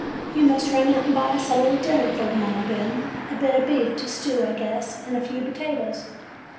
Y ou must run out and buy us a little dinner for to morrow, Ben. A bit of beef to stew, I guess, and a few potatoes.